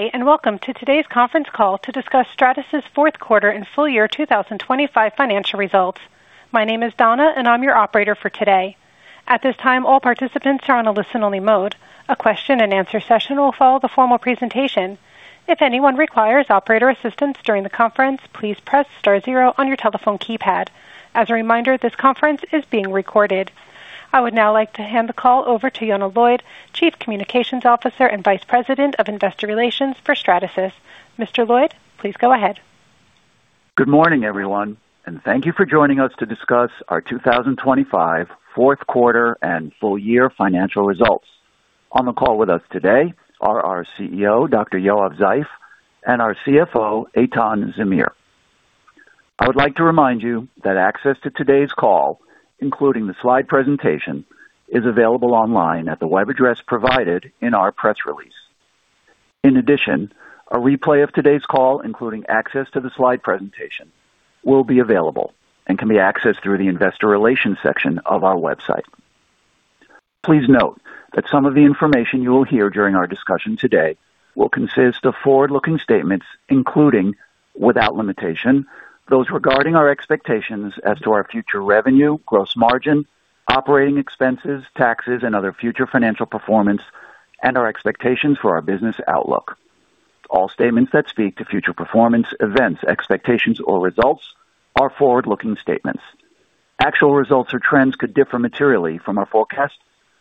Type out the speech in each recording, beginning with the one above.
Good day, and welcome to today's conference call to discuss Stratasys fourth quarter and full year 2025 financial results. My name is Donna, and I'm your operator for today. At this time, all participants are on a listen only mode. A question-and-answer session will follow the formal presentation. If anyone requires operator assistance during the conference, please press star zero on your telephone keypad. As a reminder, this conference is being recorded. I would now like to hand the call over to Yonah Lloyd, Chief Communications Officer and Vice President of Investor Relations for Stratasys. Mr. Lloyd, please go ahead. Good morning, everyone, thank you for joining us to discuss our 2025 fourth quarter and full year financial results. On the call with us today are our CEO, Dr. Yoav Zeif, and our CFO, Eitan Zamir. I would like to remind you that access to today's call, including the slide presentation, is available online at the web address provided in our press release. In addition, a replay of today's call, including access to the slide presentation, will be available and can be accessed through the investor relations section of our website. Please note that some of the information you will hear during our discussion today will consist of forward-looking statements including, without limitation, those regarding our expectations as to our future revenue, gross margin, operating expenses, taxes and other future financial performance and our expectations for our business outlook. All statements that speak to future performance, events, expectations or results are forward-looking statements. Actual results or trends could differ materially from our forecast.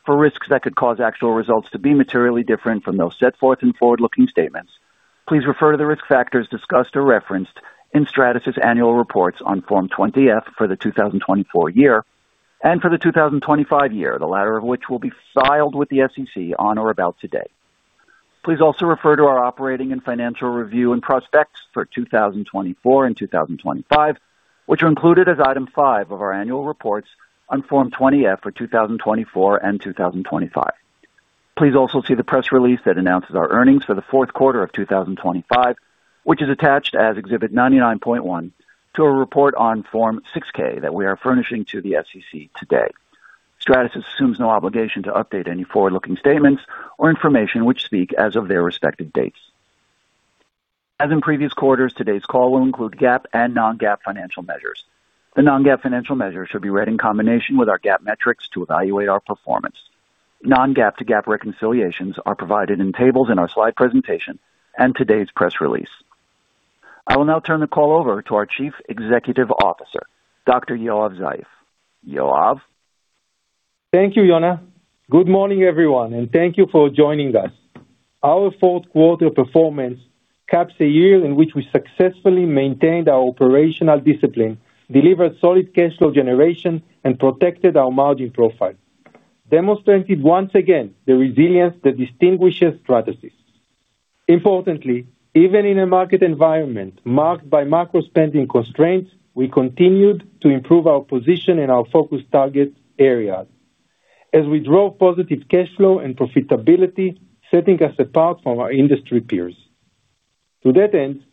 For risks that could cause actual results to be materially different from those set forth in forward-looking statements, please refer to the risk factors discussed or referenced in Stratasys annual reports on Form 20-F for the 2024 year and for the 2025 year, the latter of which will be filed with the SEC on or about today. Please also refer to our operating and financial review and prospects for 2024 and 2025, which are included at Item 5 of our Annual Reports on Form 20-F for 2024 and 2025. Please also see the press release that announces our earnings for the fourth quarter of 2025, which is attached as Exhibit 99.1 to a report on Form 6-K that we are furnishing to the SEC today. Stratasys assumes no obligation to update any forward-looking statements or information which speak as of their respective dates. As in previous quarters, today's call will include GAAP and non-GAAP financial measures. The non-GAAP financial measures should be read in combination with our GAAP metrics to evaluate our performance. Non-GAAP to GAAP reconciliations are provided in tables in our slide presentation and today's press release. I will now turn the call over to our Chief Executive Officer, Dr. Yoav Zeif. Yoav? Thank you, Yonah. Good morning, everyone. Thank you for joining us. Our fourth quarter performance caps a year in which we successfully maintained our operational discipline, delivered solid cash flow generation and protected our margin profile, demonstrating once again the resilience that distinguishes Stratasys. Importantly, even in a market environment marked by macro spending constraints, we continued to improve our position in our focus target areas as we drove positive cash flow and profitability, setting us apart from our industry peers. To that end,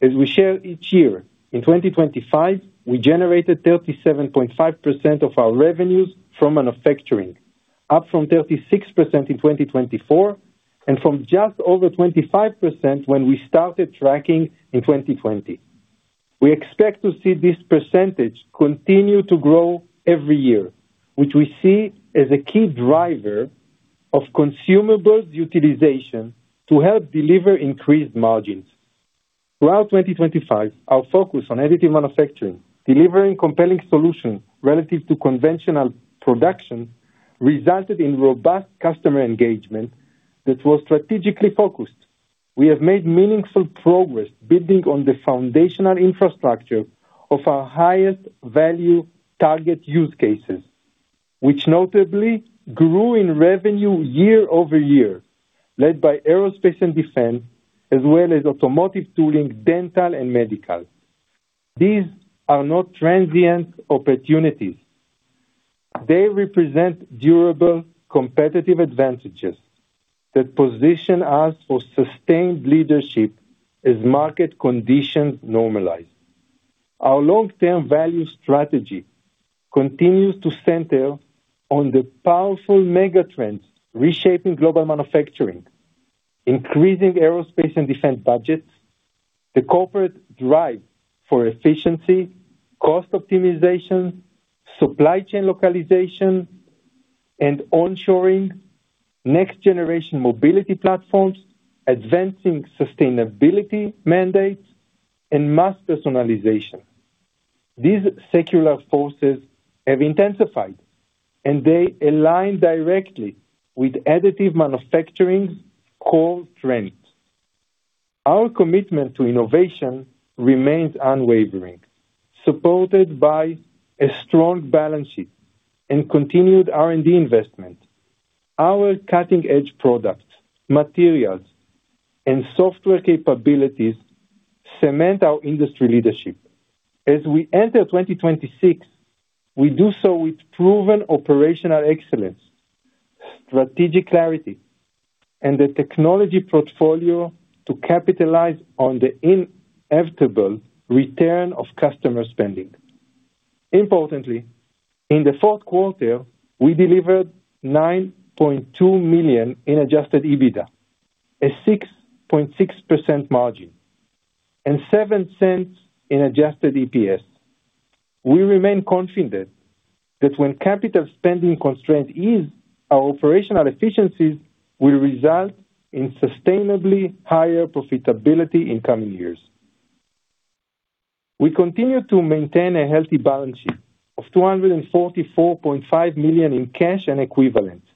as we share each year, in 2025, we generated 37.5% of our revenues from manufacturing, up from 36% in 2024 and from just over 25% when we started tracking in 2020. We expect to see this percentage continue to grow every year, which we see as a key driver of consumables utilization to help deliver increased margins. Throughout 2025, our focus on additive manufacturing, delivering compelling solutions relative to conventional production, resulted in robust customer engagement that was strategically focused. We have made meaningful progress building on the foundational infrastructure of our highest value target use cases, which notably grew in revenue year-over-year, led by aerospace and defense as well as automotive tooling, dental and medical. These are not transient opportunities. They represent durable, competitive advantages that position us for sustained leadership as market conditions normalize. Our long-term value strategy continues to center on the powerful megatrends reshaping global manufacturing, increasing aerospace and defense budgets, the corporate drive for efficiency, cost optimization, supply chain localization and onshoring, next-generation mobility platforms, advancing sustainability mandates and mass personalization. These secular forces have intensified. They align directly with additive manufacturing's core trends. Our commitment to innovation remains unwavering, supported by a strong balance sheet and continued R&D investment. Our cutting-edge products, materials, and software capabilities cement our industry leadership. As we enter 2026, we do so with proven operational excellence, strategic clarity, and the technology portfolio to capitalize on the inevitable return of customer spending. Importantly, in the fourth quarter, we delivered $9.2 million in adjusted EBITDA, a 6.6% margin, and $0.07 in adjusted EPS. We remain confident that when capital spending constraint ease, our operational efficiencies will result in sustainably higher profitability in coming years. We continue to maintain a healthy balance sheet of $244.5 million in cash and equivalents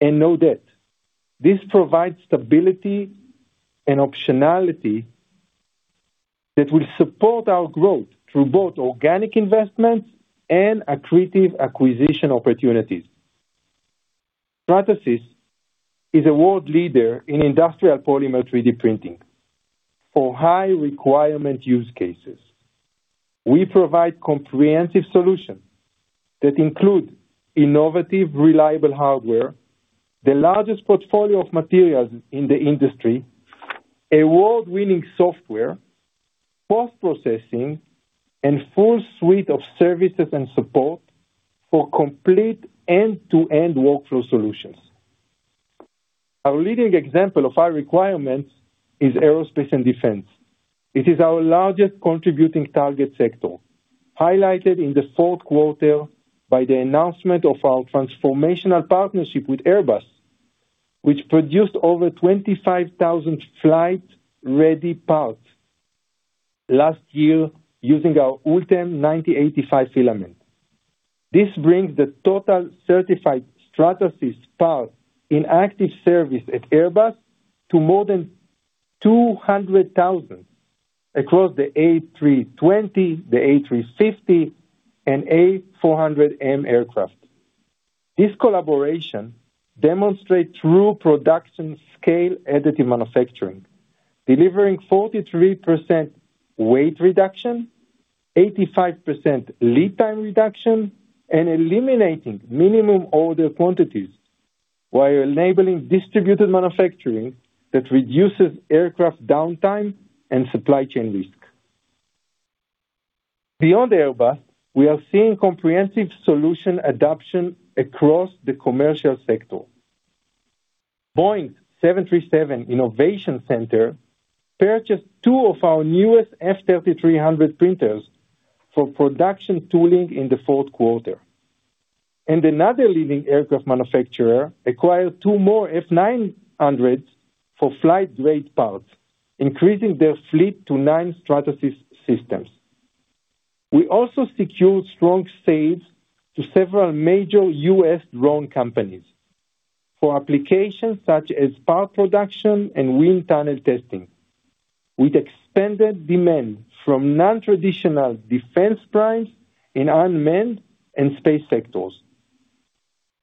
and no debt. This provides stability and optionality that will support our growth through both organic investments and accretive acquisition opportunities. Stratasys is a world leader in industrial polymer 3D printing for high requirement use cases. We provide comprehensive solutions that include innovative, reliable hardware, the largest portfolio of materials in the industry, award-winning software, post-processing and full suite of services and support for complete end-to-end workflow solutions. Our leading example of our requirements is aerospace and defense. It is our largest contributing target sector, highlighted in the fourth quarter by the announcement of our transformational partnership with Airbus, which produced over 25,000 flight-ready parts last year using our ULTEM 9085 filament. This brings the total certified Stratasys parts in active service at Airbus to more than 200,000 across the A320, the A350, and A400M aircraft. This collaboration demonstrates true production scale additive manufacturing, delivering 43% weight reduction, 85% lead time reduction, and eliminating minimum order quantities while enabling distributed manufacturing that reduces aircraft downtime and supply chain risk. Beyond Airbus, we are seeing comprehensive solution adoption across the commercial sector. Boeing's 737 Innovation Center purchased two of our newest F3300 printers for production tooling in the fourth quarter. Another leading aircraft manufacturer acquired two more F900 for flight-grade parts, increasing their fleet to nine Stratasys systems. We also secured strong sales to several major U.S. drone companies for applications such as part production and wind tunnel testing, with expanded demand from non-traditional defense primes in unmanned and space sectors.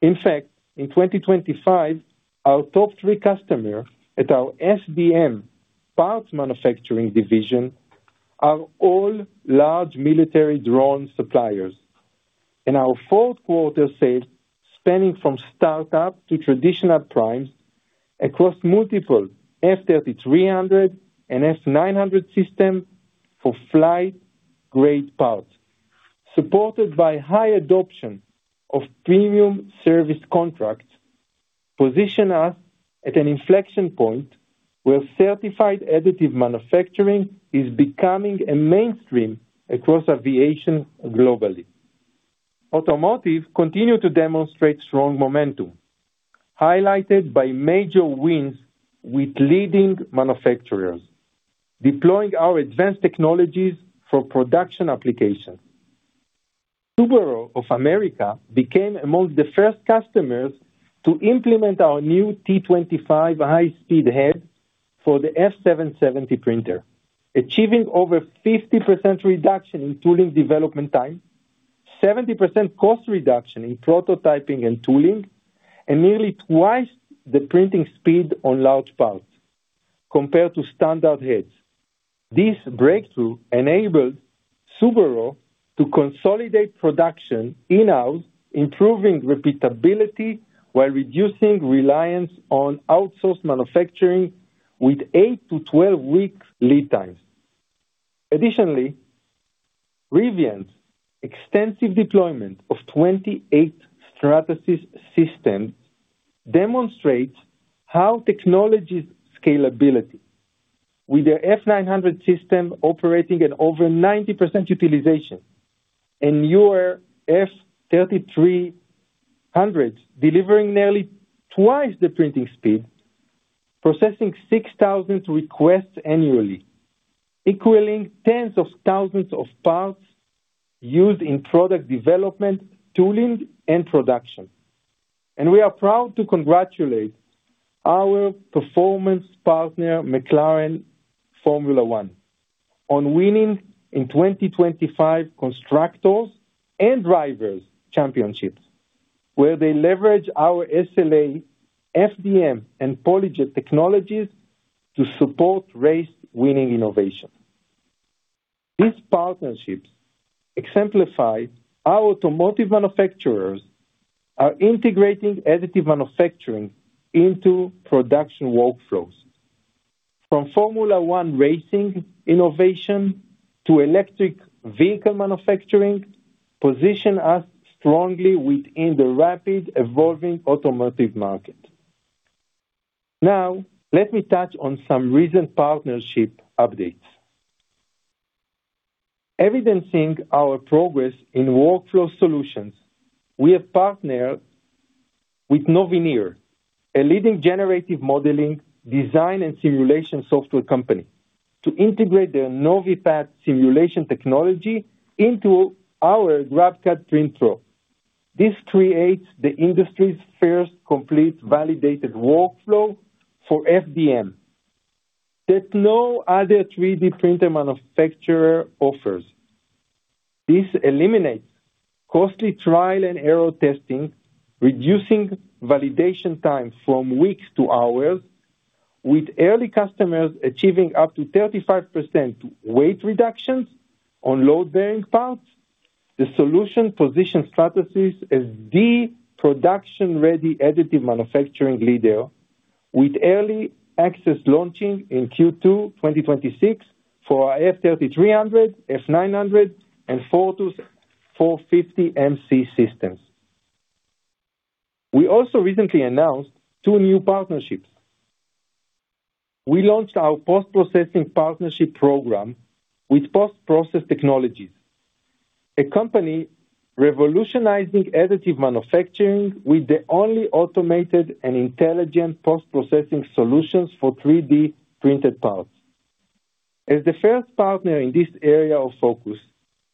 In fact, in 2025, our top three customer at our FDM parts manufacturing division are all large military drone suppliers. Our fourth quarter sales, spanning from start-up to traditional primes across multiple F3300 and F900 systems for flight-grade parts, supported by high adoption of premium service contracts, position us at an inflection point where certified additive manufacturing is becoming a mainstream across aviation globally. Automotive continued to demonstrate strong momentum, highlighted by major wins with leading manufacturers deploying our advanced technologies for production applications. Subaru of America became among the first customers to implement our new T25 high-speed head for the F770 printer, achieving over 50% reduction in tooling development time, 70% cost reduction in prototyping and tooling, and nearly twice the printing speed on large parts compared to standard heads. This breakthrough enabled Subaru to consolidate production in-house, improving repeatability while reducing reliance on outsourced manufacturing with eight to 12 weeks lead times. Additionally, Rivian's extensive deployment of 28 Stratasys systems demonstrates how technology scalability with their F900 system operating at over 90% utilization and your F3300s delivering nearly twice the printing speed, processing 6,000 requests annually, equaling tens of thousands of parts used in product development, tooling, and production. We are proud to congratulate our performance partner, McLaren Formula 1, on winning in 2025 Constructors and Drivers Championships, where they leverage our SLA, FDM, and PolyJet technologies to support race-winning innovation. These partnerships exemplify how automotive manufacturers are integrating additive manufacturing into production workflows. From Formula 1 racing innovation to electric vehicle manufacturing position us strongly within the rapid evolving automotive market. Now, let me touch on some recent partnership updates. Evidencing our progress in workflow solutions, we have partnered with nTopology, a leading generative modeling design and simulation software company to integrate their PolyPath simulation technology into our GrabCAD Print Pro. This creates the industry's first complete validated workflow for FDM that no other 3D printer manufacturer offers. This eliminates costly trial-and-error testing, reducing validation time from weeks to hours, with early customers achieving up to 35% weight reductions on load-bearing parts. The solution positions Stratasys as the production-ready additive manufacturing leader, with early access launching in Q2 2026 for our F3300, F900, and Fortus 450mc systems. We also recently announced two new partnerships. We launched our post-processing partnership program with PostProcess Technologies, a company revolutionizing additive manufacturing with the only automated and intelligent post-processing solutions for 3D printed parts. As the first partner in this area of focus,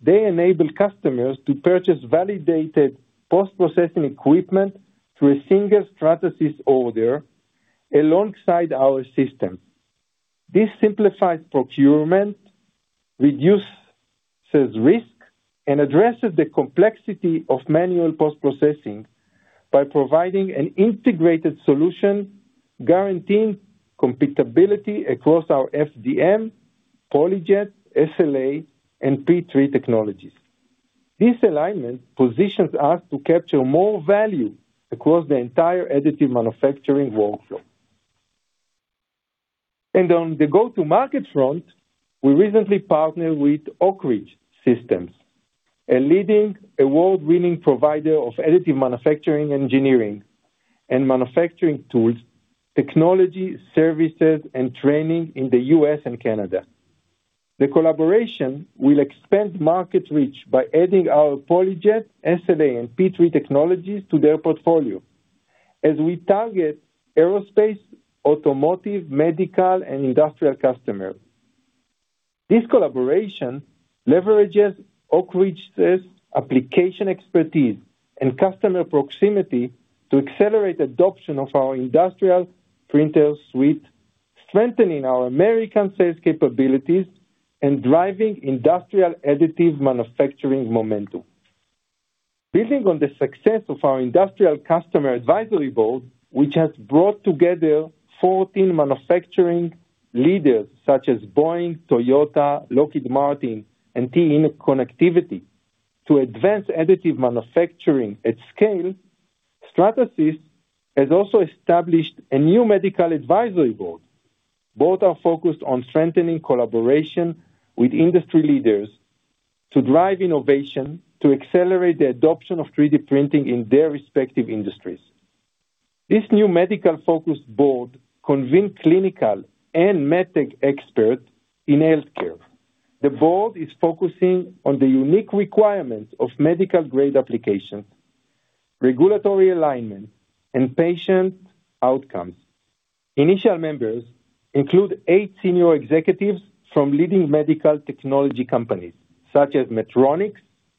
they enable customers to purchase validated post-processing equipment through a single Stratasys order alongside our system. This simplifies procurement, reduces risk, and addresses the complexity of manual post-processing by providing an integrated solution guaranteeing compatibility across our FDM, PolyJet, SLA, and P3 technologies. This alignment positions us to capture more value across the entire additive manufacturing workflow. On the go-to-market front, we recently partnered with Oak Ridge Systems, a leading award-winning provider of additive manufacturing, engineering, manufacturing tools, technology, services, and training in the U.S. and Canada. The collaboration will expand market reach by adding our PolyJet, SLA, and P3 technologies to their portfolio as we target aerospace, automotive, medical, and industrial customers. This collaboration leverages Oak Ridge's application expertise and customer proximity to accelerate adoption of our industrial printer suite, strengthening our American sales capabilities and driving industrial additive manufacturing momentum. Building on the success of our industrial customer advisory board, which has brought together 14 manufacturing leaders such as Boeing, Toyota, Lockheed Martin, and TE Connectivity to advance additive manufacturing at scale, Stratasys has also established a new medical advisory board. Both are focused on strengthening collaboration with industry leaders to drive innovation to accelerate the adoption of 3D printing in their respective industries. This new medical-focused board convened clinical and method experts in healthcare. The board is focusing on the unique requirements of medical-grade applications, regulatory alignment, and patient outcomes. Initial members include eight senior executives from leading medical technology companies such as Medtronic,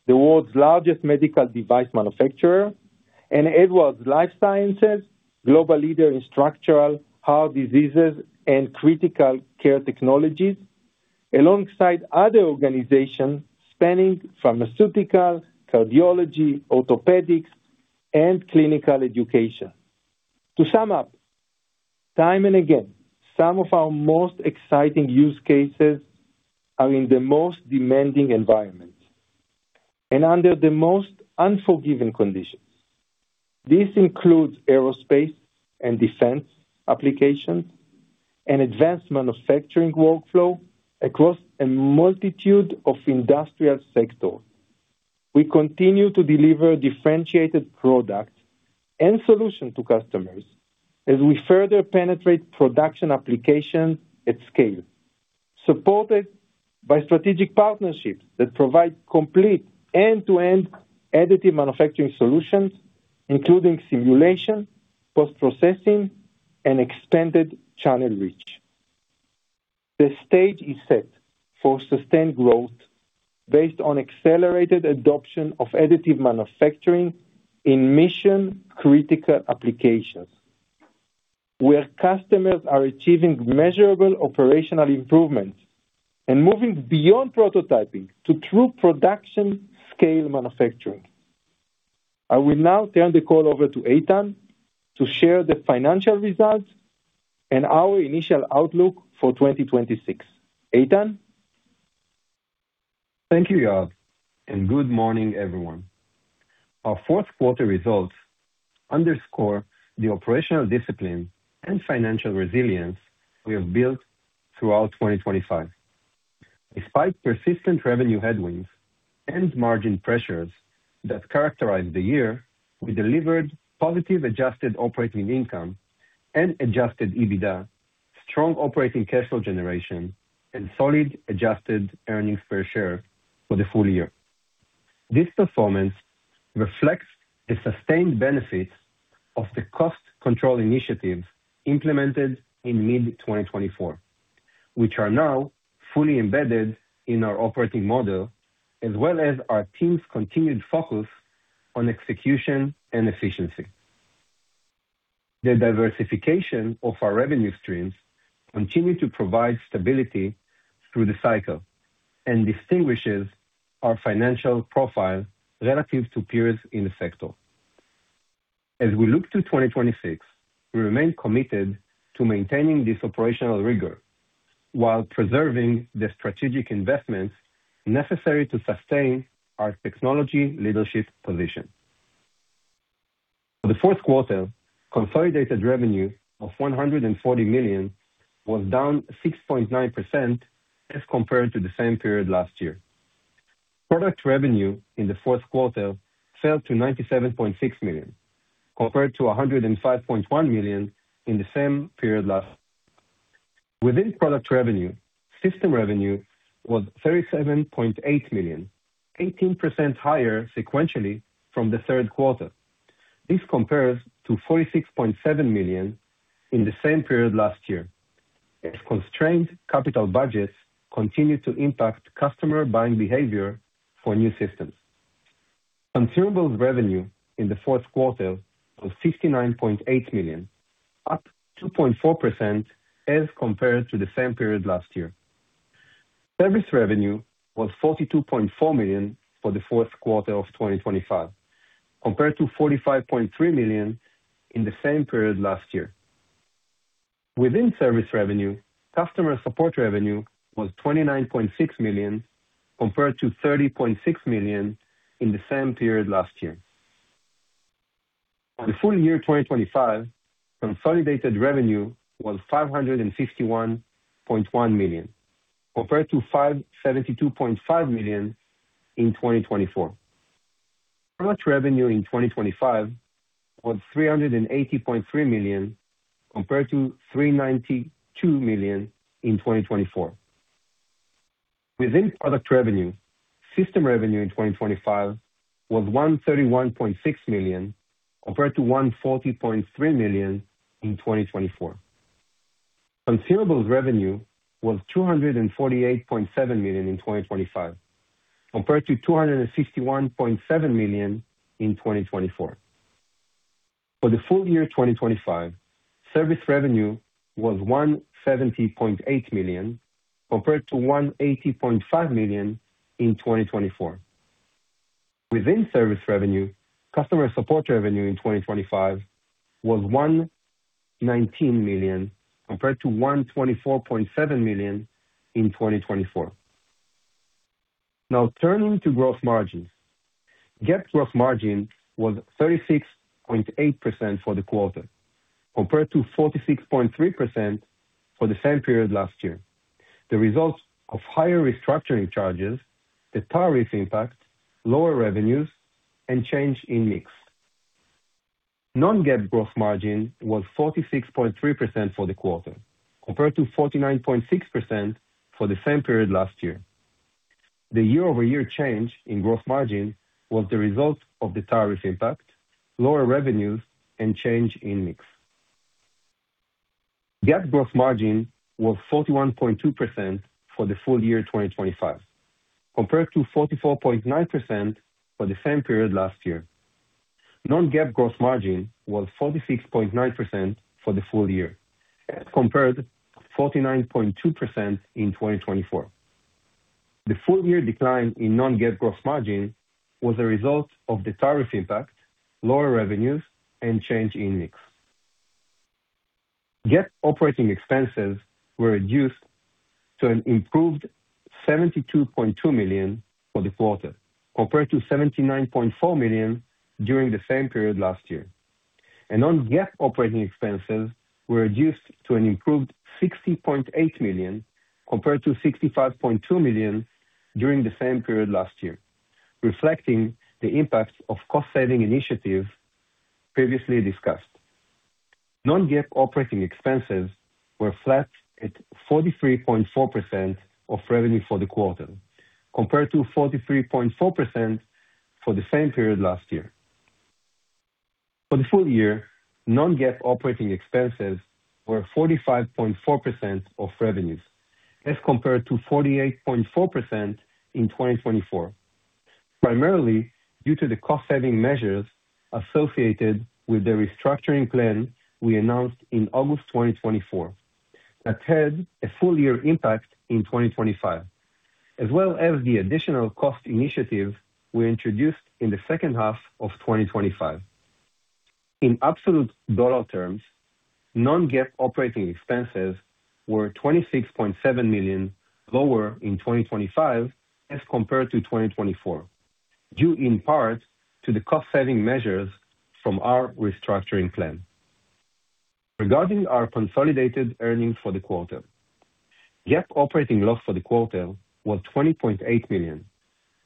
the world's largest medical device manufacturer, and Edwards Lifesciences, global leader in structural heart diseases and critical care technologies, alongside other organizations spanning pharmaceutical, cardiology, orthopedics, and clinical education. To sum up, time and again, some of our most exciting use cases are in the most demanding environments and under the most unforgiving conditions. This includes aerospace and defense applications and advanced manufacturing workflow across a multitude of industrial sectors. We continue to deliver differentiated products and solutions to customers as we further penetrate production applications at scale, supported by strategic partnerships that provide complete end-to-end additive manufacturing solutions, including simulation, post-processing, and expanded channel reach. The stage is set for sustained growth based on accelerated adoption of additive manufacturing in mission-critical applications where customers are achieving measurable operational improvements and moving beyond prototyping to true production scale manufacturing. I will now turn the call over to Eitan to share the financial results and our initial outlook for 2026. Eitan? Thank you, Yoav, and good morning, everyone. Our fourth quarter results underscore the operational discipline and financial resilience we have built throughout 2025. Despite persistent revenue headwinds and margin pressures that characterized the year, we delivered positive adjusted operating income and adjusted EBITDA, strong operating cash flow generation and solid adjusted earnings per share for the full year. This performance reflects the sustained benefits of the cost control initiatives implemented in mid-2024, which are now fully embedded in our operating model, as well as our team's continued focus on execution and efficiency. The diversification of our revenue streams continue to provide stability through the cycle and distinguishes our financial profile relative to peers in the sector. We look to 2026, we remain committed to maintaining this operational rigor while preserving the strategic investments necessary to sustain our technology leadership position. For the fourth quarter, consolidated revenue of $140 million was down 6.9% as compared to the same period last year. Product revenue in the fourth quarter fell to $97.6 million, compared to $105.1 million in the same period last. Within product revenue, system revenue was $37.8 million, 18% higher sequentially from the third quarter. This compares to $46.7 million in the same period last year, as constrained capital budgets continued to impact customer buying behavior for new systems. Consumables revenue in the fourth quarter was $69.8 million, up 2.4% as compared to the same period last year. Service revenue was $42.4 million for the fourth quarter of 2025, compared to $45.3 million in the same period last year. Within service revenue, customer support revenue was $29.6 million, compared to $30.6 million in the same period last year. For the full year 2025, consolidated revenue was $561.1 million, compared to $572.5 million in 2024. Product revenue in 2025 was $380.3 million, compared to $392 million in 2024. Within product revenue, system revenue in 2025 was $131.6 million, compared to $140.3 million in 2024. Consumables revenue was $248.7 million in 2025, compared to $261.7 million in 2024. For the full year 2025, service revenue was $170.8 million, compared to $180.5 million in 2024. Within service revenue, customer support revenue in 2025 was $119 million, compared to $124.7 million in 2024. Turning to gross margins. GAAP growth margin was 36.8% for the quarter, compared to 46.3% for the same period last year. The results of higher restructuring charges, the tariff impact, lower revenues, and change in mix. Non-GAAP gross margin was 46.3% for the quarter, compared to 49.6% for the same period last year. The year-over-year change in gross margin was the result of the tariff impact, lower revenues and change in mix. GAAP gross margin was 41.2% for the full year 2025, compared to 44.9% for the same period last year. Non-GAAP gross margin was 46.9% for the full year, as compared to 49.2% in 2024. The full year decline in non-GAAP gross margin was a result of the tariff impact, lower revenues and change in mix. GAAP operating expenses were reduced to an improved $72.2 million for the quarter, compared to $79.4 million during the same period last year. Non-GAAP operating expenses were reduced to an improved $60.8 million, compared to $65.2 million during the same period last year, reflecting the impact of cost-saving initiatives previously discussed. Non-GAAP operating expenses were flat at 43.4% of revenue for the quarter, compared to 43.4% for the same period last year. For the full year, non-GAAP operating expenses were 45.4% of revenues, as compared to 48.4% in 2024, primarily due to the cost-saving measures associated with the restructuring plan we announced in August 2024 that had a full year impact in 2025, as well as the additional cost initiatives we introduced in the second half of 2025. In absolute dollar terms, non-GAAP operating expenses were $26.7 million lower in 2025 as compared to 2024, due in part to the cost-saving measures from our restructuring plan. Regarding our consolidated earnings for the quarter, GAAP operating loss for the quarter was $20.8 million,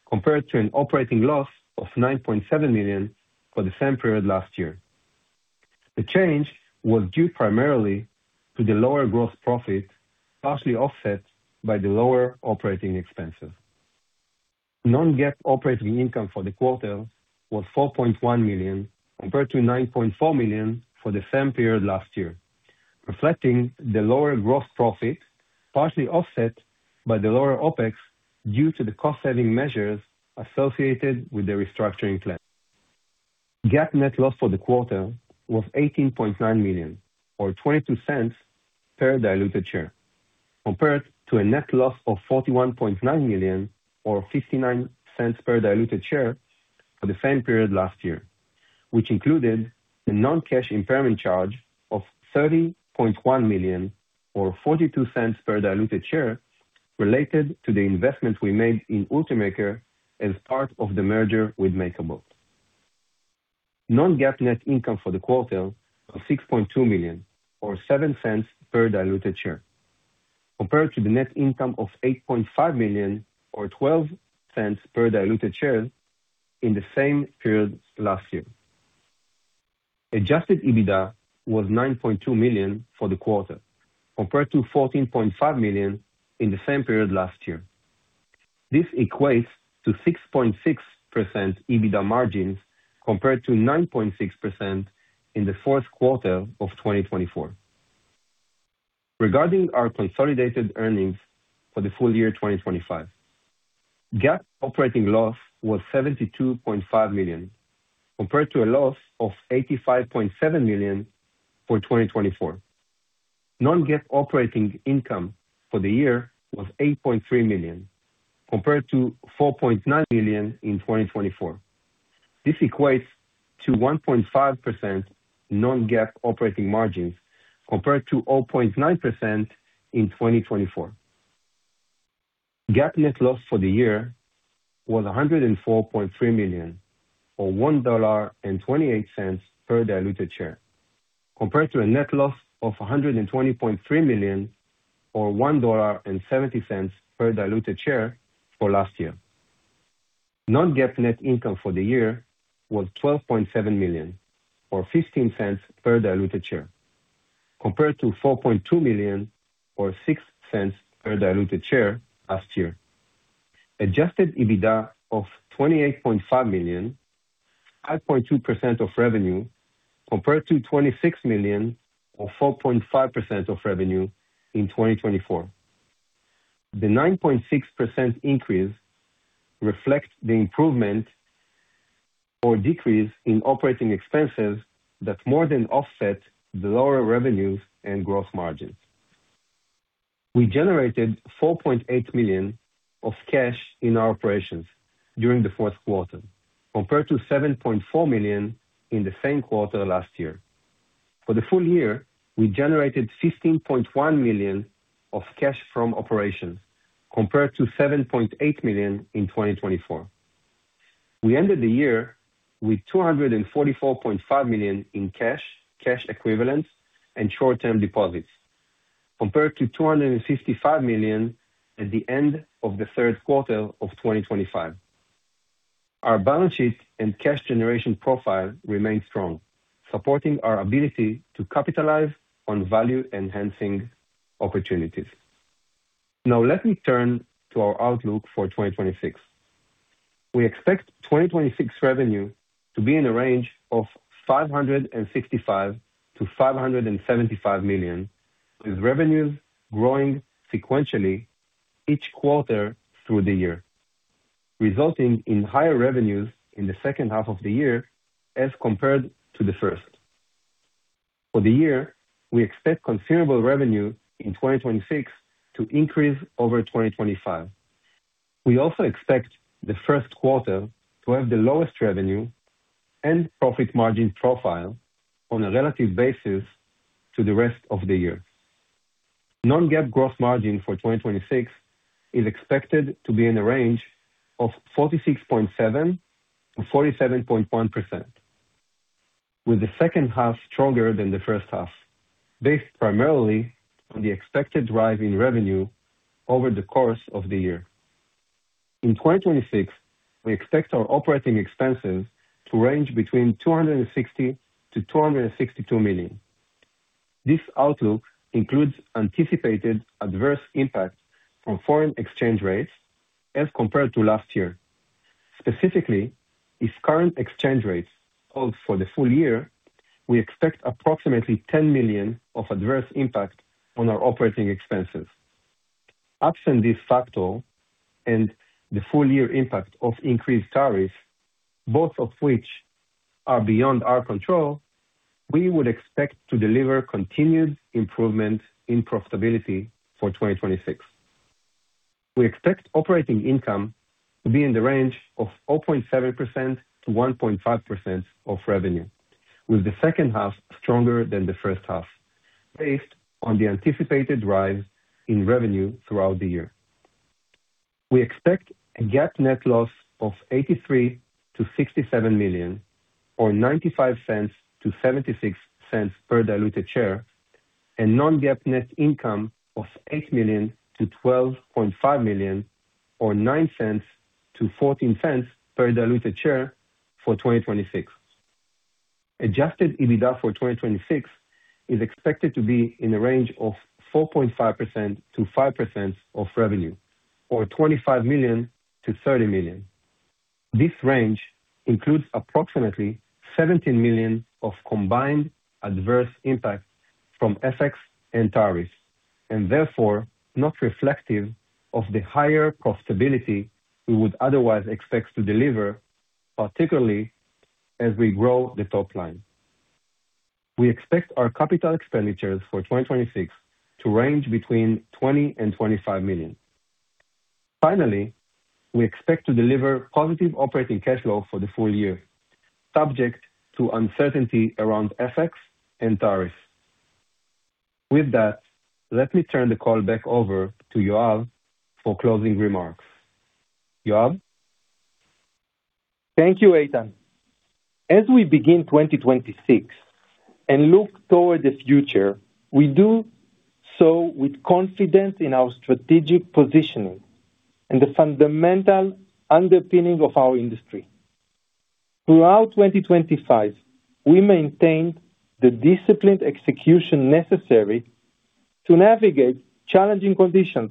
compared to an operating loss of $9.7 million for the same period last year. The change was due primarily to the lower gross profit, partially offset by the lower operating expenses. Non-GAAP operating income for the quarter was $4.1 million, compared to $9.4 million for the same period last year, reflecting the lower gross profit, partially offset by the lower OpEx due to the cost saving measures associated with the restructuring plan. GAAP net loss for the quarter was $18.9 million or $0.22 per diluted share, compared to a net loss of $41.9 million or $0.59 per diluted share for the same period last year, which included the non-cash impairment charge of $30.1 million or $0.42 per diluted share related to the investment we made in Ultimaker as part of the merger with MakerBot. Non-GAAP net income for the quarter of $6.2 million or $0.07 per diluted share, compared to the net income of $8.5 million or $0.12 per diluted share in the same period last year. Adjusted EBITDA was $9.2 million for the quarter, compared to $14.5 million in the same period last year. This equates to 6.6% EBITDA margins, compared to 9.6% in the fourth quarter of 2024. Regarding our consolidated earnings for the full year, 2025, GAAP operating loss was $72.5 million, compared to a loss of $85.7 million for 2024. Non-GAAP operating income for the year was $8.3 million, compared to $4.9 million in 2024. This equates to 1.5% non-GAAP operating margins, compared to 0.9% in 2024. GAAP net loss for the year was $104.3 million or $1.28 per diluted share, compared to a net loss of $120.3 million or $1.70 per diluted share for last year. Non-GAAP net income for the year was $12.7 million or $0.15 per diluted share, compared to $4.2 million or $0.06 per diluted share last year. Adjusted EBITDA of $28.5 million, 5.2% of revenue, compared to $26 million or 4.5% of revenue in 2024. The 9.6% increase reflects the improvement or decrease in operating expenses that more than offset the lower revenues and gross margins. We generated $4.8 million of cash in our operations during the fourth quarter, compared to $7.4 million in the same quarter last year. For the full year, we generated $15.1 million of cash from operations, compared to $7.8 million in 2024. We ended the year with $244.5 million in cash equivalents and short-term deposits, compared to $255 million at the end of the third quarter of 2025. Our balance sheet and cash generation profile remain strong, supporting our ability to capitalize on value-enhancing opportunities. Let me turn to our outlook for 2026. We expect 2026 revenue to be in the range of $565 million-$575 million, with revenues growing sequentially each quarter through the year, resulting in higher revenues in the second half of the year as compared to the first. For the year, we expect consumable revenue in 2026 to increase over 2025. We also expect the first quarter to have the lowest revenue and profit margin profile on a relative basis to the rest of the year. Non-GAAP gross margin for 2026 is expected to be in the range of 46.7%-47.1%, with the second half stronger than the first half, based primarily on the expected rise in revenue over the course of the year. In 2026, we expect our operating expenses to range between $260 million-$262 million. This outlook includes anticipated adverse impact from foreign exchange rates as compared to last year. Specifically, if current exchange rates hold for the full year, we expect approximately $10 million of adverse impact on our operating expenses. Absent this factor and the full year impact of increased tariffs, both of which are beyond our control, we would expect to deliver continued improvement in profitability for 2026. We expect operating income to be in the range of 4.7%-1.5% of revenue, with the second half stronger than the first half, based on the anticipated rise in revenue throughout the year. We expect a GAAP net loss of $83 million-$67 million, or $0.95-$0.76 per diluted share, and non-GAAP net income of $8 million-$12.5 million, or $0.09-$0.14 per diluted share for 2026. Adjusted EBITDA for 2026 is expected to be in the range of 4.5%-5% of revenue or $25 million-$30 million. This range includes approximately $17 million of combined adverse impacts from FX and tariffs, and therefore not reflective of the higher profitability we would otherwise expect to deliver, particularly as we grow the top line. We expect our capital expenditures for 2026 to range between $20 million and $25 million. Finally, we expect to deliver positive operating cash flow for the full year, subject to uncertainty around FX and tariffs. With that, let me turn the call back over to Yoav for closing remarks. Yoav? Thank you, Eitan. As we begin 2026 and look toward the future, we do so with confidence in our strategic positioning and the fundamental underpinning of our industry. Throughout 2025, we maintained the disciplined execution necessary to navigate challenging conditions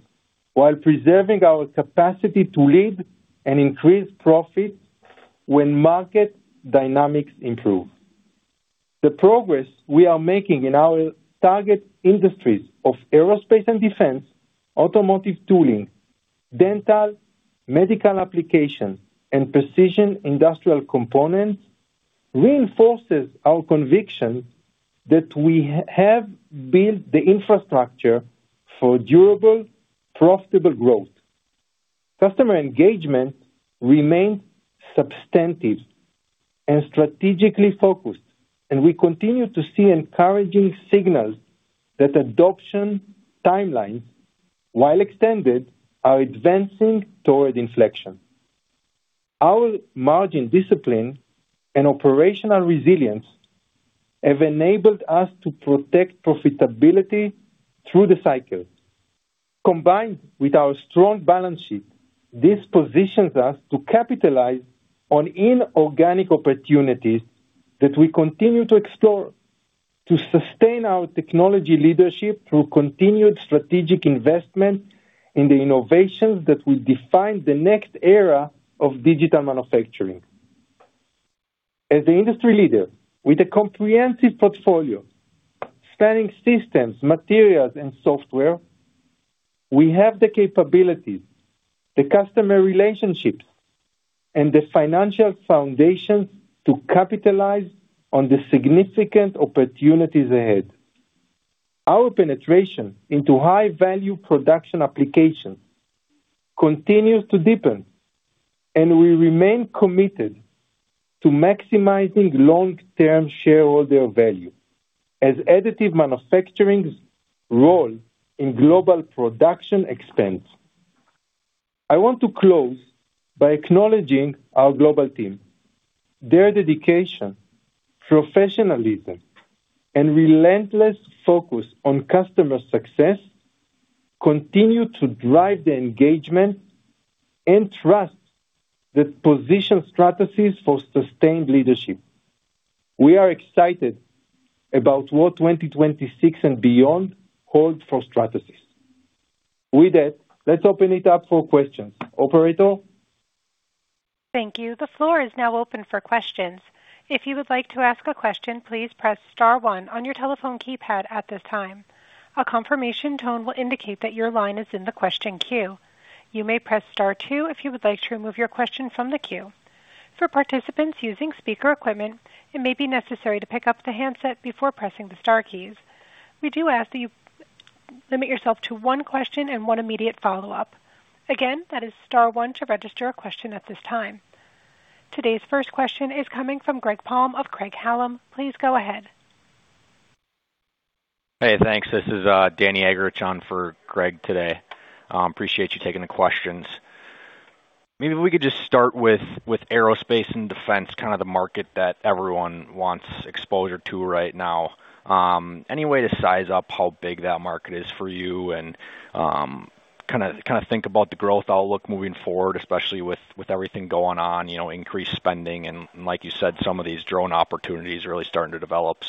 while preserving our capacity to lead and increase profits when market dynamics improve. The progress we are making in our target industries of aerospace and defense, automotive tooling, dental, medical applications, and precision industrial components reinforces our conviction that we have built the infrastructure for durable, profitable growth. Customer engagement remains substantive and strategically focused, and we continue to see encouraging signals that adoption timelines, while extended, are advancing toward inflection. Our margin discipline and operational resilience have enabled us to protect profitability through the cycle. Combined with our strong balance sheet, this positions us to capitalize on inorganic opportunities that we continue to explore to sustain our technology leadership through continued strategic investment in the innovations that will define the next era of digital manufacturing. As the industry leader with a comprehensive portfolio spanning systems, materials, and software, we have the capabilities, the customer relationships, and the financial foundation to capitalize on the significant opportunities ahead. Our penetration into high-value production applications continues to deepen, and we remain committed to maximizing long-term shareholder value as additive manufacturing's role in global production expands. I want to close by acknowledging our global team. Their dedication, professionalism, and relentless focus on customer success continue to drive the engagement and trust that position Stratasys for sustained leadership. We are excited about what 2026 and beyond hold for Stratasys. With that, let's open it up for questions. Operator? Thank you. The floor is now open for questions. If you would like to ask a question, please press star one on your telephone keypad at this time. A confirmation tone will indicate that your line is in the question queue. You may press star two if you would like to remove your question from the queue. For participants using speaker equipment, it may be necessary to pick up the handset before pressing the star keys. We do ask that you limit yourself to one question and one immediate follow-up. Again, that is star one to register a question at this time. Today's first question is coming from Greg Palm of Craig-Hallum. Please go ahead. Hey, thanks. This is Danny Eggerichs on for Greg today. Appreciate you taking the questions. Maybe we could just start with aerospace and defense, kind of the market that everyone wants exposure to right now. Any way to size up how big that market is for you and, kind of think about the growth outlook moving forward, especially with everything going on, you know, increased spending, and like you said, some of these drone opportunities really starting to develop.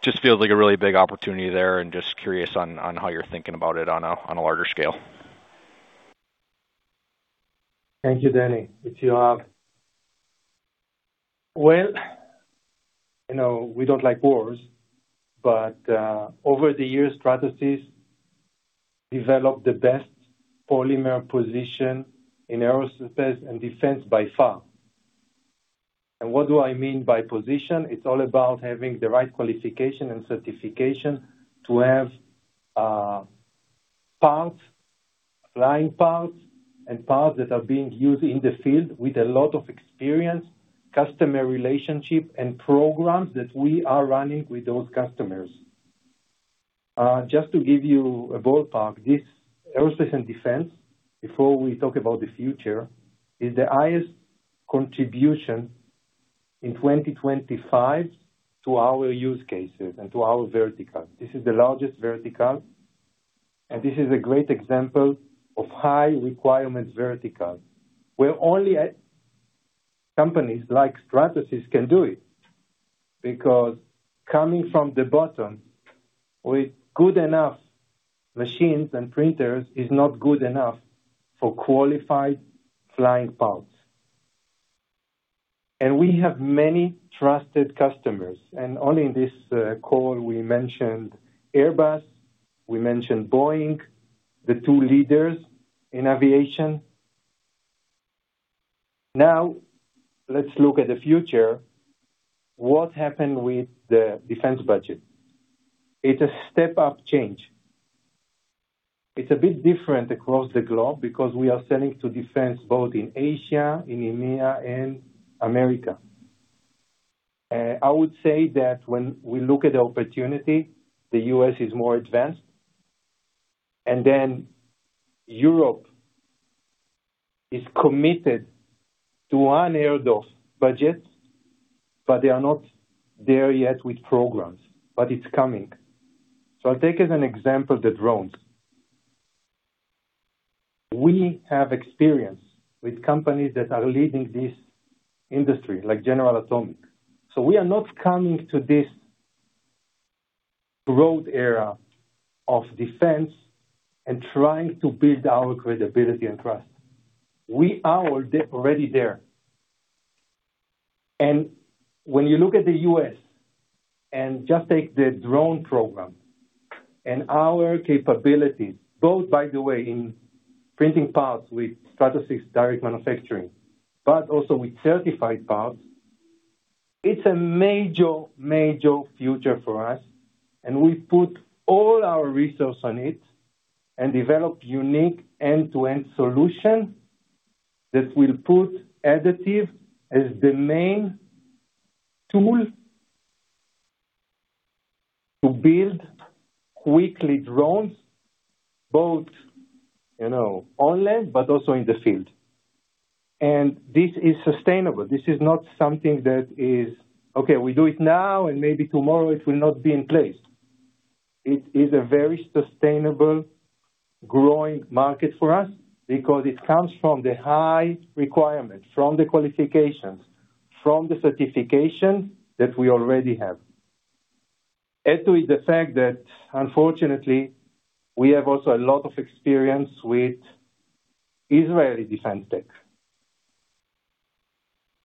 Just feels like a really big opportunity there. Just curious on how you're thinking about it on a, on a larger scale. Thank you, Danny. It's Yoav. You know, we don't like wars, but over the years, Stratasys developed the best polymer position in aerospace and defense by far. What do I mean by position? It's all about having the right qualification and certification to have parts, flying parts, and parts that are being used in the field with a lot of experience, customer relationships, and programs that we are running with those customers. Just to give you a ballpark, this aerospace and defense, before we talk about the future, is the highest contribution in 2025 to our use cases and to our vertical. This is the largest vertical, and this is a great example of high requirements vertical, where only companies like Stratasys can do it. Coming from the bottom with good enough machines and printers is not good enough for qualified flying parts. We have many trusted customers, only in this call we mentioned Airbus, we mentioned Boeing, the two leaders in aviation. Let's look at the future. What happened with the defense budget? It's a step-up change. It's a bit different across the globe because we are selling to defense both in Asia, in EMEA, and America. I would say that when we look at the opportunity, the U.S. is more advanced, Europe is committed to one airdrop budget, they are not there yet with programs. It's coming. I'll take as an example the drones. We have experience with companies that are leading this industry, like General Atomics. We are not coming to this growth era of defense and trying to build our credibility and trust. We are already there. When you look at the U.S., and just take the drone program and our capabilities, both by the way, in printing parts with Stratasys Direct Manufacturing, but also with certified parts, it's a major future for us, and we put all our resources on it and develop unique end-to-end solution that will put additive as the main tool to build weekly drones, both, you know, on land, but also in the field. This is sustainable. This is not something that is, okay, we do it now and maybe tomorrow it will not be in place. It is a very sustainable growing market for us because it comes from the high requirement, from the qualifications, from the certification that we already have. Add to it the fact that, unfortunately, we have also a lot of experience with Israeli defense tech.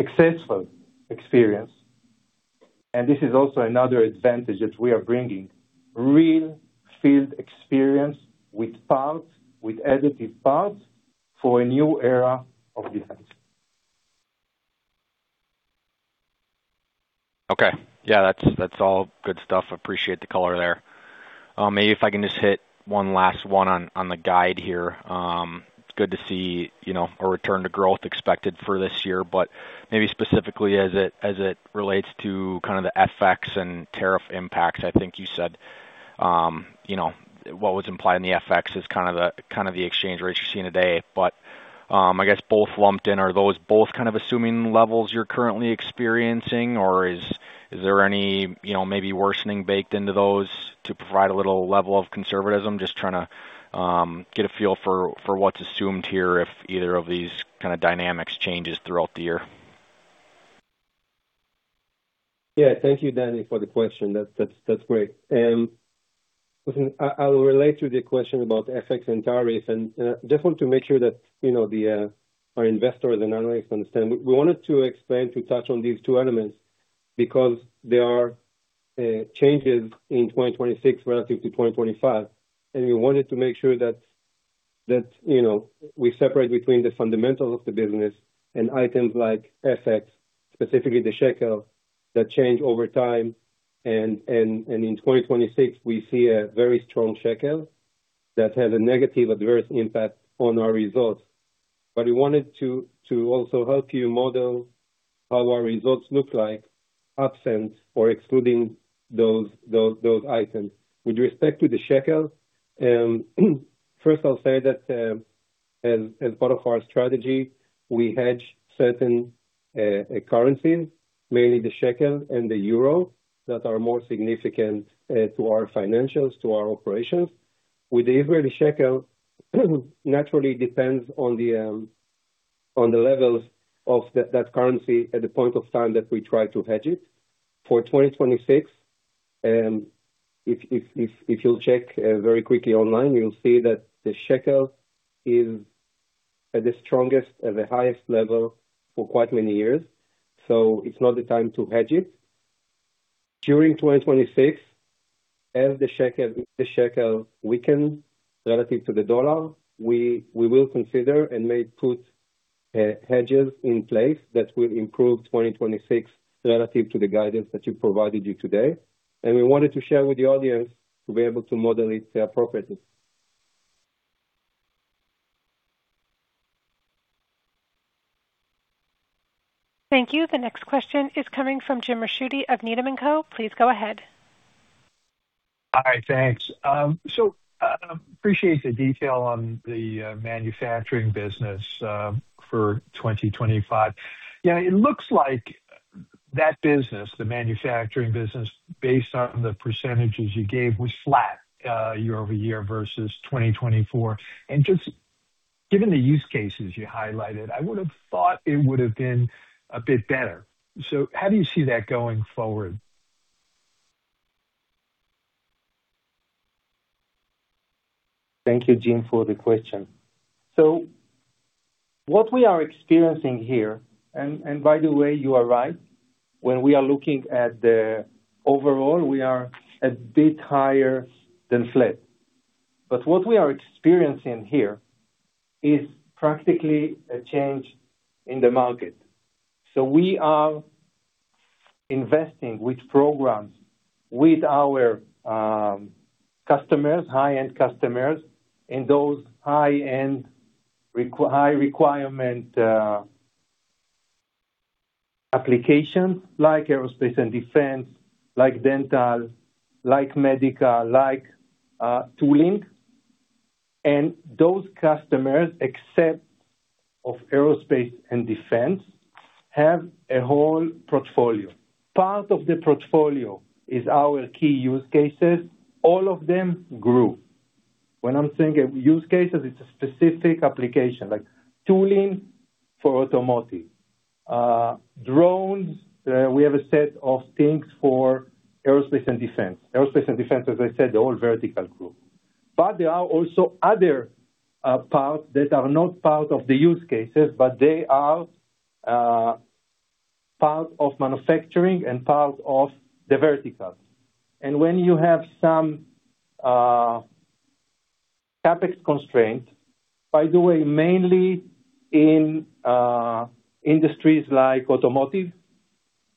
Successful experience. This is also another advantage that we are bringing real field experience with parts, with additive parts for a new era of defense. Okay. Yeah, that's all good stuff. Appreciate the color there. Maybe if I can just hit one last one on the guide here. It's good to see, you know, a return to growth expected for this year, but maybe specifically as it relates to kind of the FX and tariff impacts, I think you said, you know, what was implied in the FX is kind of the exchange rates you're seeing today. I guess both lumped in, are those both kind of assuming levels you're currently experiencing or is there any, you know, maybe worsening baked into those to provide a little level of conservatism? Just trying to get a feel for what's assumed here if either of these kind of dynamics changes throughout the year. Yeah. Thank you, Danny, for the question. That's great. Listen, I'll relate to the question about FX and tariffs, just want to make sure that, you know, our investors and analysts understand. We wanted to explain, to touch on these two elements because there are changes in 2026 relative to 2025, and we wanted to make sure that, you know, we separate between the fundamentals of the business and items like FX, specifically the shekel, that change over time. In 2026, we see a very strong shekel that has a negative adverse impact on our results. We wanted to also help you model how our results look like absent or excluding those items. With respect to the shekel, first I'll say that as part of our strategy, we hedge certain currencies, mainly the shekel and the euro, that are more significant to our financials, to our operations. With the Israeli shekel, naturally depends on the levels of that currency at the point of time that we try to hedge it. For 2026, if you'll check very quickly online, you'll see that the shekel is at the strongest, at the highest level for quite many years. It's not the time to hedge it. During 2026, as the shekel, if the shekel weakens relative to the dollar, we will consider and may put hedges in place that will improve 2026 relative to the guidance that we provided you today. We wanted to share with the audience to be able to model it appropriately. Thank you. The next question is coming from Jim Ricchiuti of Needham & Company. Please go ahead. Hi. Thanks. Appreciate the detail on the manufacturing business for 2025. Yeah, it looks like that business, the manufacturing business, based on the percentages you gave, was flat year-over-year versus 2024. Just given the use cases you highlighted, I would have thought it would have been a bit better. How do you see that going forward? Thank you, Jim, for the question. What we are experiencing here, and by the way, you are right, when we are looking at the overall, we are a bit higher than flat. What we are experiencing here is practically a change in the market. We are investing with programs with our customers, high-end customers, in those high-end high requirement applications like aerospace and defense, like dental, like medical, like tooling. Those customers, except of aerospace and defense, have a whole portfolio. Part of the portfolio is our key use cases. All of them grew. When I'm saying use cases, it's a specific application, like tooling for automotive, drones. We have a set of things for aerospace and defense. Aerospace and defense, as I said, the whole vertical group. There are also other parts that are not part of the use cases, but they are part of manufacturing and part of the verticals. When you have some CapEx constraints, by the way, mainly in industries like automotive,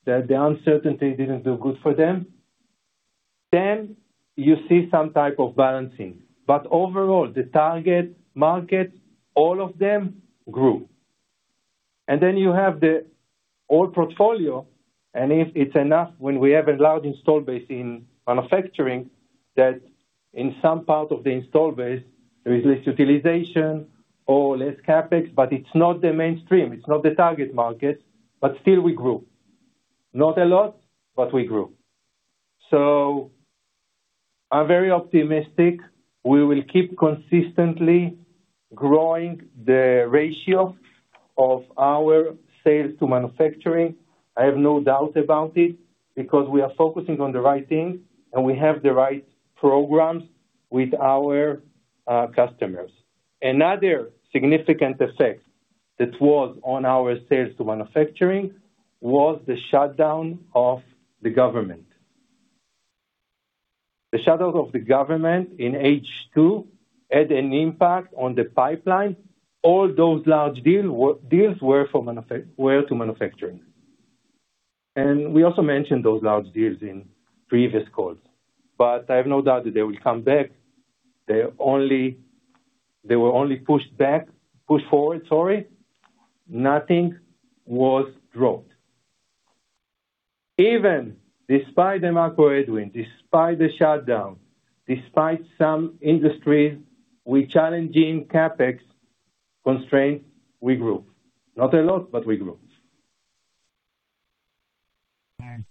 the uncertainty didn't do good for them, then you see some type of balancing. Overall, the target market, all of them grew. Then you have the whole portfolio, and if it's enough, when we have a large install base in manufacturing, that in some part of the install base, there is less utilization or less CapEx, but it's not the mainstream, it's not the target market. Still we grew. Not a lot, but we grew. I'm very optimistic we will keep consistently growing the ratio of our sales to manufacturing. I have no doubt about it, because we are focusing on the right things, and we have the right programs with our customers. Another significant effect that was on our sales to manufacturing was the shutdown of the government. The shutdown of the government in H2 had an impact on the pipeline. All those large deals were to manufacturing. We also mentioned those large deals in previous calls. I have no doubt that they will come back. They were only pushed forward, sorry. Nothing was dropped. Even despite the macro headwind, despite the shutdown, despite some industries with challenging CapEx constraints, we grew. Not a lot, but we grew. Thanks.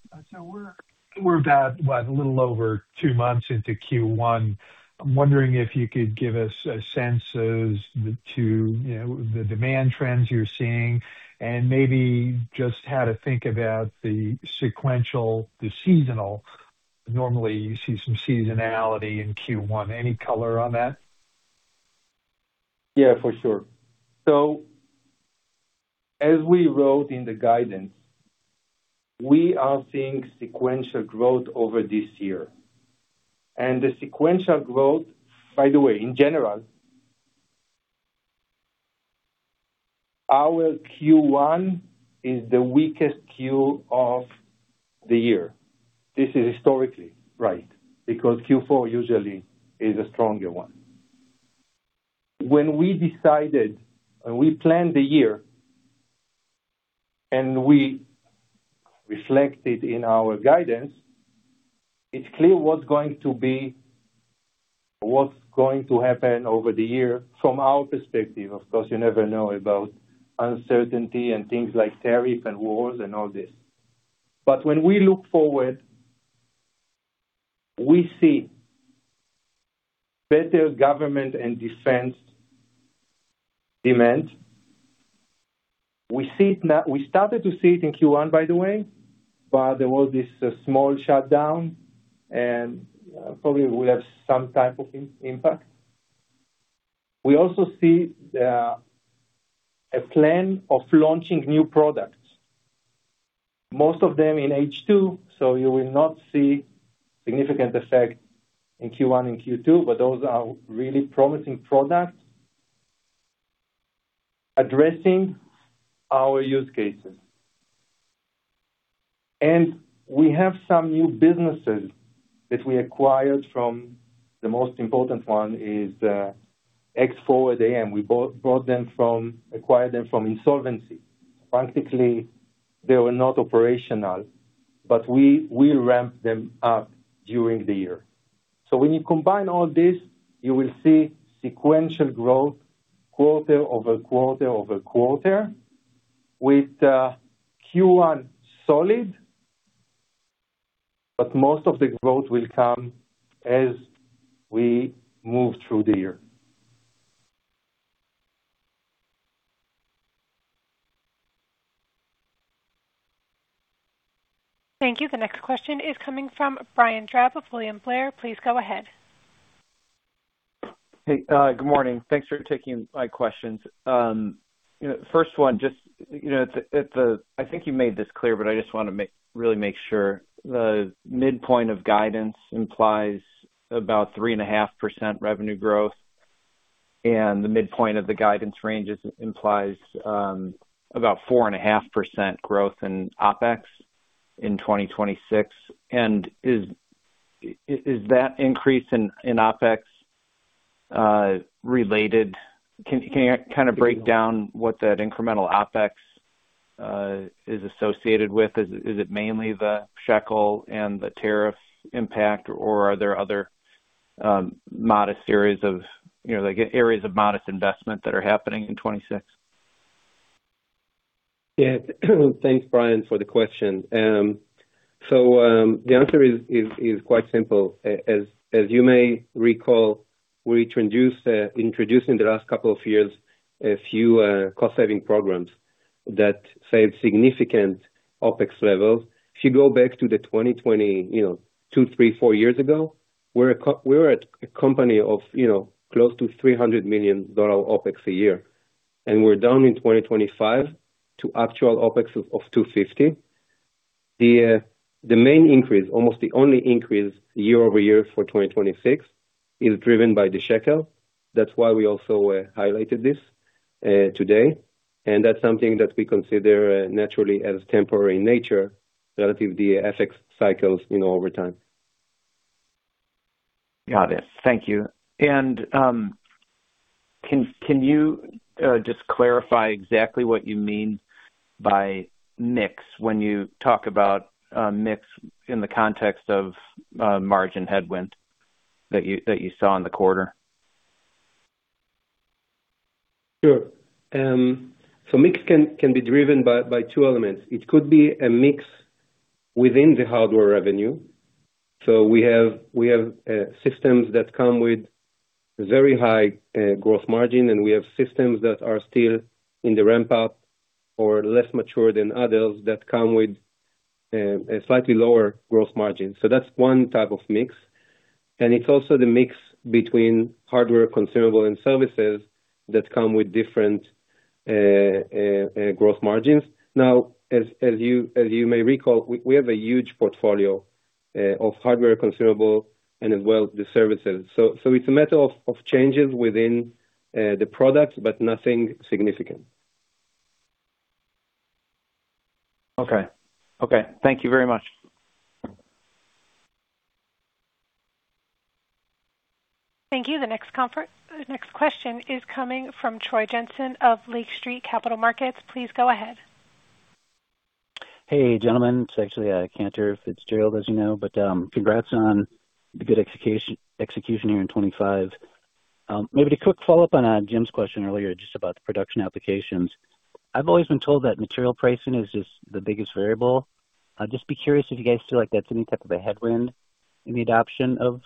We're about, what? A little over two months into Q1. I'm wondering if you could give us a sense as to, you know, the demand trends you're seeing and maybe just how to think about the sequential, the seasonal? Normally, you see some seasonality in Q1. Any color on that? As we wrote in the guidance, we are seeing sequential growth over this year. The sequential growth, by the way, in general, our Q1 is the weakest Q of the year. This is historically right, because Q4 usually is a stronger one. When we decided, when we planned the year, and we reflected in our guidance, it's clear what's going to happen over the year from our perspective. Of course, you never know about uncertainty and things like tariff and wars and all this. When we look forward, we see better government and defense demand. We see it now. We started to see it in Q1, by the way, but there was this small shutdown, and probably will have some type of impact. We also see a plan of launching new products, most of them in H2. You will not see significant effect in Q1 and Q2, but those are really promising products addressing our use cases. We have some new businesses that we acquired from, the most important one is Xaar 3D. We acquired them from insolvency. Practically, they were not operational, but we ramped them up during the year. When you combine all this, you will see sequential growth quarter over quarter over quarter with Q1 solid, but most of the growth will come as we move through the year. Thank you. The next question is coming from Brian Drab of William Blair. Please go ahead. Hey, good morning. Thanks for taking my questions. You know, first one, just, you know, it's, I think you made this clear, but I just wanna make sure. The midpoint of guidance implies about 3.5% revenue growth, and the midpoint of the guidance ranges implies about 4.5% growth in OpEx in 2026. Is that increase in OpEx related? Can you kind down what that incremental OpEx is associated with? Is it mainly the shekel and the tariff impact, or are there other modest areas of, you know, like areas of modest investment that are happening in 2026? Yeah. Thanks, Brian, for the question. The answer is quite simple. As you may recall, we introduced in the last couple of years a few cost saving programs that saved significant OpEx levels. If you go back to the 2020, you know, two, three, four years ago, we were a company of, you know, close to $300 million OpEx a year. We're down in 2025 to actual OpEx of $250 million. The main increase, almost the only increase year-over-year for 2026 is driven by the shekel. That's why we also highlighted this today, that's something that we consider naturally as temporary in nature relative to the FX cycles, you know, over time. Got it. Thank you. Can you just clarify exactly what you mean by mix when you talk about a mix in the context of margin headwind that you saw in the quarter? Sure. Mix can be driven by two elements. It could be a mix within the hardware revenue. We have systems that come with very high growth margin, and we have systems that are still in the ramp up or less mature than others that come with a slightly lower growth margin. That's one type of mix. It's also the mix between hardware consumable and services that come with different growth margins. As you may recall, we have a huge portfolio of hardware consumable and as well the services. It's a matter of changes within the products, but nothing significant. Okay. Okay. Thank you very much. Thank you. The next question is coming from Troy Jensen of Lake Street Capital Markets. Please go ahead. Hey, gentlemen. It's actually Cantor Fitzgerald, as you know. Congrats on the good execution here in 2025. Maybe to quick follow up on Jim's question earlier, just about the production applications. I've always been told that material pricing is just the biggest variable. I'd just be curious if you guys feel like that's any type of a headwind in the adoption of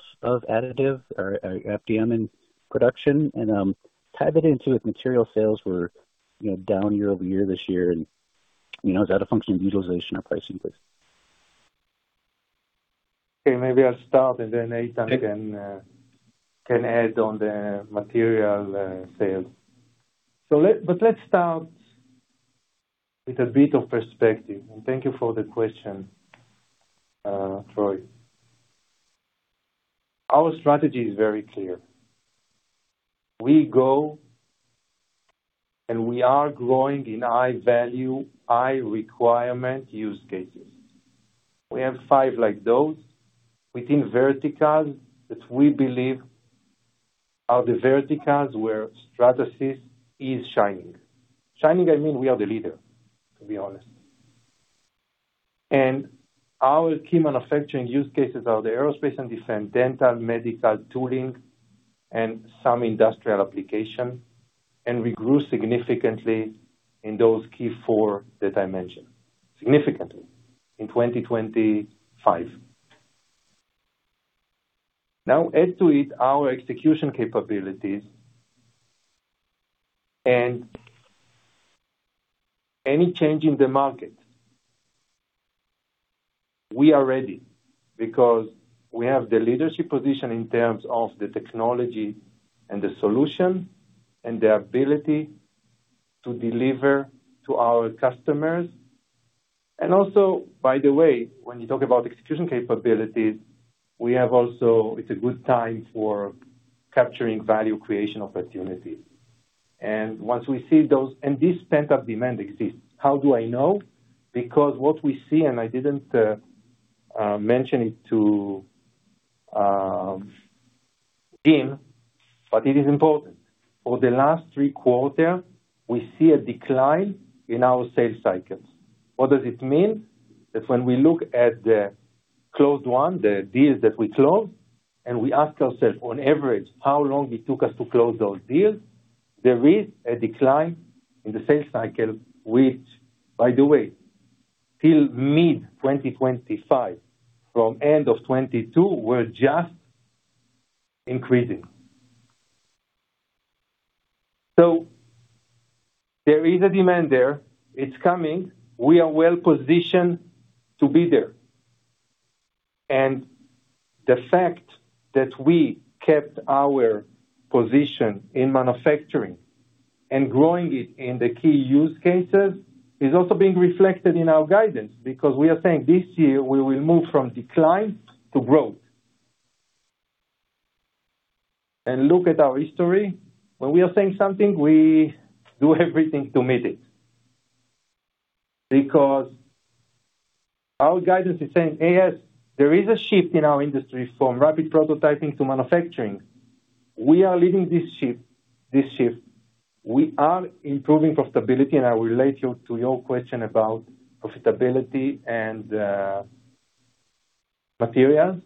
additive or FDM in production. Tie that into if material sales were, you know, down year-over-year this year and, you know, is that a function of utilization or pricing for it? Okay, maybe I'll start, then Eitan can add on the material sales. Let's start with a bit of perspective, and thank you for the question, Troy. Our strategy is very clear. We go, and we are growing in high value, high requirement use cases. We have five like those within verticals that we believe are the verticals where Stratasys is shining. Shining, I mean, we are the leader, to be honest. Our key manufacturing use cases are the aerospace & defense, dental, medical, tooling, and some industrial application, and we grew significantly in those key four that I mentioned. Significantly in 2025. Now add to it our execution capabilities and any change in the market. We are ready because we have the leadership position in terms of the technology and the solution, and the ability to deliver to our customers. Also, by the way, when you talk about execution capabilities, it's a good time for capturing value creation opportunities. Once we see those... This pent-up demand exists. How do I know? Because what we see, and I didn't mention it to Jim, but it is important. For the last three quarter, we see a decline in our sales cycles. What does it mean? That when we look at the closed one, the deals that we close, and we ask ourselves on average, how long it took us to close those deals, there is a decline in the sales cycle, which by the way, till mid-2025 from end of 2022, were just increasing. There is a demand there. It's coming. We are well-positioned to be there. The fact that we kept our position in manufacturing and growing it in the key use cases is also being reflected in our guidance because we are saying this year we will move from decline to growth. Look at our history. When we are saying something, we do everything to meet it. Our guidance is saying there is a shift in our industry from rapid prototyping to manufacturing. We are leading this ship, this shift. We are improving profitability, and I relate you to your question about profitability and materials.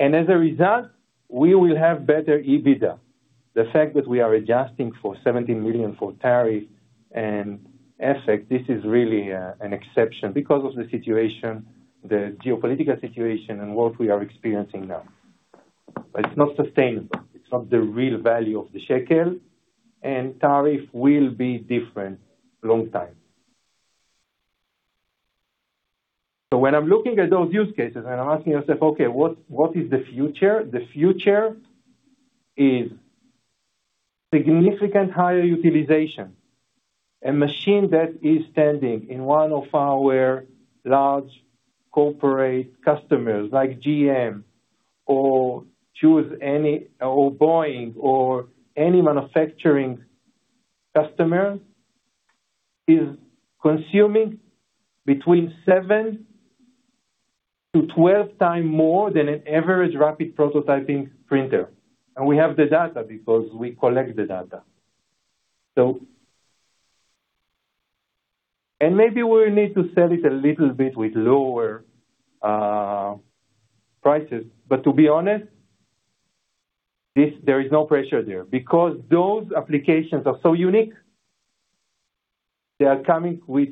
As a result, we will have better EBITDA. The fact that we are adjusting for $70 million for tariff and FX, this is really an exception because of the situation, the geopolitical situation and what we are experiencing now. It's not sustainable. It's not the real value of the shekel. Tariff will be different long time. When I'm looking at those use cases and I'm asking myself, okay, what is the future? The future is significant higher utilization. A machine that is standing in one of our large corporate customers like GM or Boeing or any manufacturing customer, is consuming between 7x-12x more than an average rapid prototyping printer. We have the data because we collect the data. Maybe we need to sell it a little bit with lower prices. To be honest, there is no pressure there because those applications are so unique. They are coming with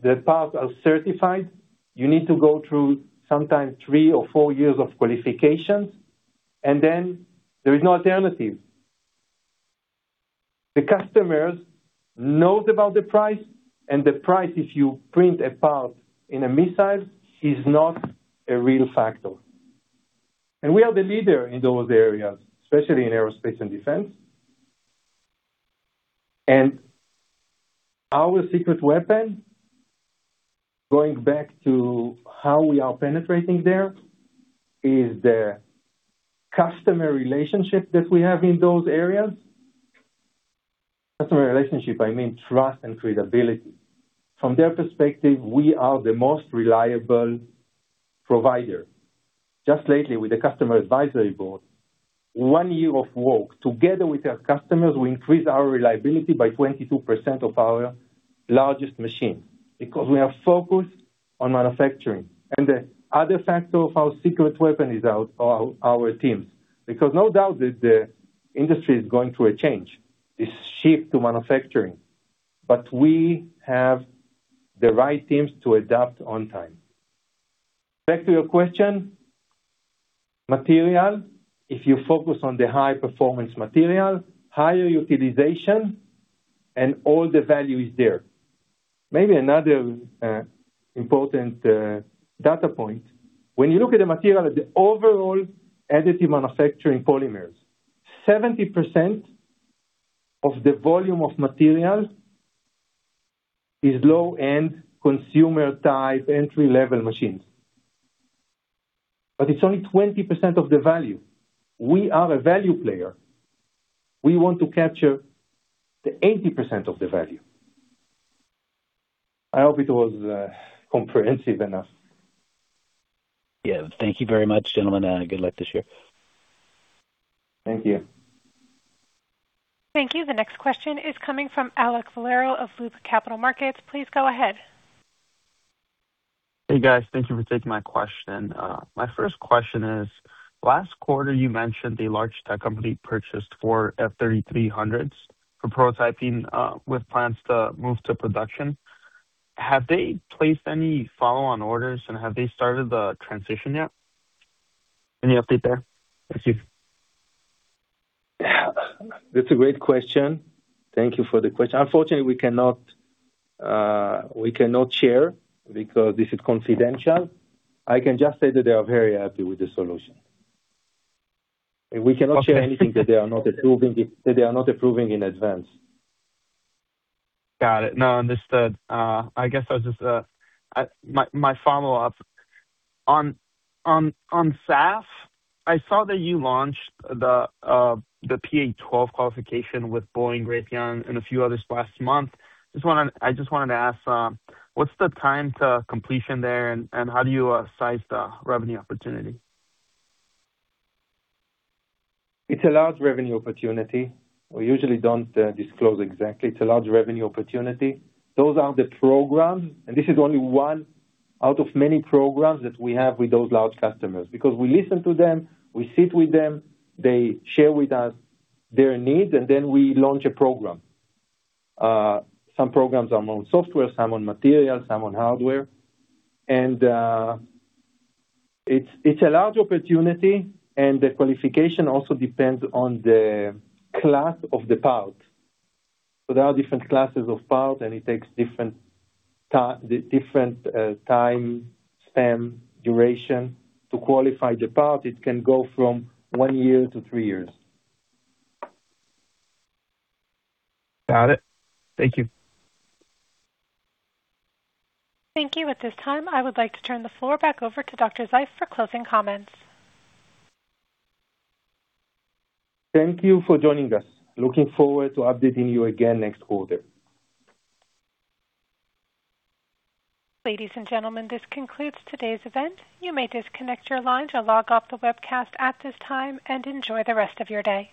the parts are certified. You need to go through sometimes three or four years of qualifications. Then there is no alternative. The customers knows about the price, the price, if you print a part in a missile, is not a real factor. We are the leader in those areas, especially in aerospace and defense. Our secret weapon, going back to how we are penetrating there, is the customer relationship that we have in those areas. Customer relationship, I mean, trust and credibility. From their perspective, we are the most reliable provider. Just lately with the customer advisory board, one year of work, together with their customers, we increase our reliability by 22% of our largest machine because we are focused on manufacturing. The other factor of our secret weapon is our teams, because no doubt that the industry is going through a change, this shift to manufacturing, but we have the right teams to adapt on time. Back to your question. Material, if you focus on the high-performance material, higher utilization, and all the value is there. Maybe another important data point. When you look at the material, at the overall additive manufacturing polymers, 70% of the volume of material is low-end consumer-type entry-level machines, but it's only 20% of the value. We are a value player. We want to capture the 80% of the value. I hope it was comprehensive enough. Yeah. Thank you very much, gentlemen, and good luck this year. Thank you. Thank you. The next question is coming from Alek Valero of Loop Capital Markets. Please go ahead. Hey, guys. Thank you for taking my question. My first question is, last quarter, you mentioned the large tech company purchased 4 F3300s for prototyping, with plans to move to production. Have they placed any follow-on orders, and have they started the transition yet? Any update there? Thank you. That's a great question. Thank you for the question. Unfortunately, we cannot, we cannot share because this is confidential. I can just say that they are very happy with the solution. We cannot share anything that they are not approving in advance. Got it. No, understood. I guess I'll just my follow-up. On SAF, I saw that you launched the PA12 qualification with Boeing, Raytheon, and a few others last month. I just wanted to ask, what's the time to completion there, and how do you size the revenue opportunity? It's a large revenue opportunity. We usually don't disclose exactly. It's a large revenue opportunity. Those are the programs. This is only one out of many programs that we have with those large customers. We listen to them, we sit with them, they share with us their needs. We launch a program. Some programs are on software, some on material, some on hardware. It's a large opportunity. The qualification also depends on the class of the part. There are different classes of part. It takes different time span, duration to qualify the part. It can go from one year to three years. Got it. Thank you. Thank you. At this time, I would like to turn the floor back over to Dr. Zeif for closing comments. Thank you for joining us. Looking forward to updating you again next quarter. Ladies and gentlemen, this concludes today's event. You may disconnect your line to log off the webcast at this time, and enjoy the rest of your day.